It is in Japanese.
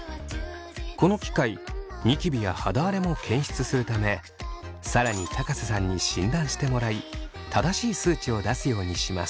この機械ニキビや肌荒れも検出するため更に瀬さんに診断してもらい正しい数値を出すようにします。